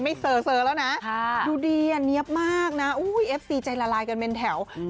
ไม่เสอแล้วนะดูดีโอ้ยเนี้ยมากน่ะเอฟซีใจหลายกันเป็นแถวนะ